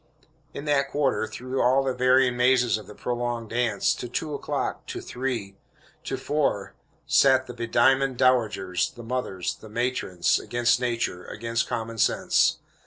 In that quarter, through all the varying mazes of the prolonged dance, to two o'clock, to three, to four, sat the bediamonded dowagers, the mothers, the matrons against nature, against common sense.